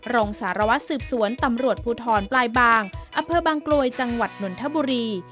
รองสารวัตรสืบสวนตำรวจภูทรปลายบางอำเภอบางกลวยจังหวัดนนทบุรี